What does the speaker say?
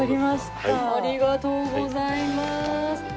ありがとうございます。